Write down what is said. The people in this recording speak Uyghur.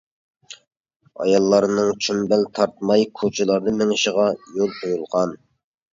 ئاياللارنىڭ چۈمبەل تارتماي كوچىلاردا مېڭىشىغا يول قويۇلغان.